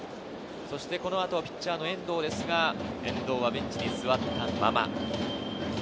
このあとはピッチャーの遠藤ですが、遠藤はベンチに座ったまま。